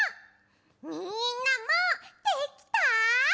みんなもできた？